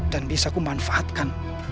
dan bisa kumanfaatkan